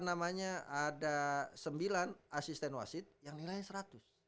namanya ada sembilan asisten wasit yang nilainya seratus